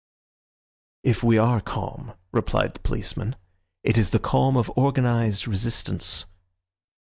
"If we are calm," replied the policeman, "it is the calm of organised resistance."